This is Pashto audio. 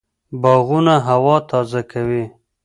باغونه هوا تازه کوي